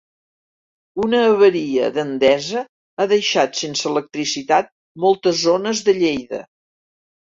Una avaria d'Endesa ha deixat sense electricitat moltes zones de Lleida.